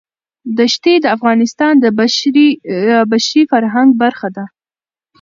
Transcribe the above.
دښتې د افغانستان د بشري فرهنګ برخه ده.